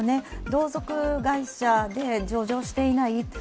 同族会社で上場していない。